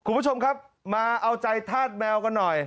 คุณผู้ชมครับมาเอาใจธาตุแมวกันหน่อย